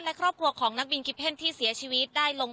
และครอบครัวของนักบินกิเพ่นที่เสียชีวิตได้ลง